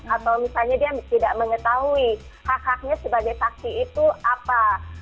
atau misalnya dia tidak mengetahui hak haknya sebagai saksi itu apa